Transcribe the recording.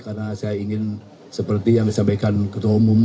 karena saya ingin seperti yang disampaikan ketua umum